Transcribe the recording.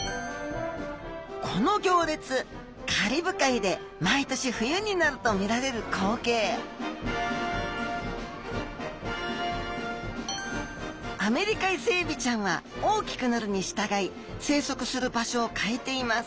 この行列カリブ海で毎年冬になると見られる光景アメリカイセエビちゃんは大きくなるにしたがい生息する場所を変えています。